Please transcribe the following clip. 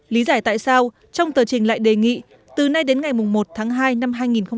lý giải tại sao trong tờ trình lại đề nghị từ nay đến ngày một tháng hai năm hai nghìn hai mươi